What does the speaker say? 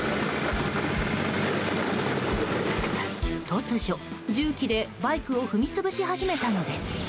突如、重機でバイクを踏み潰し始めたのです。